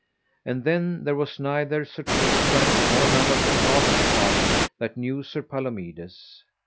And then there was neither Sir Tristram nor none of King Arthur's party that knew Sir Palomides.